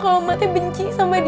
kalau emaknya mau nikah sama pak ustad